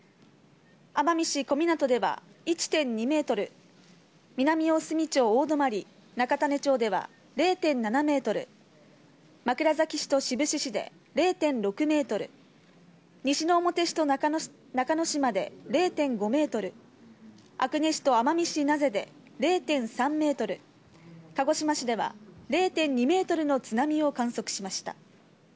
奄美市小湊では、１．２メートル、南大隅町大泊中種子町では０．７メートル、枕崎市と志布志市で０．６メートル、西之表市と中之島で０．５メートル、阿久根市と奄美市名瀬で０．３メートル、鹿児島市では０．２メートルの津波を観測しました。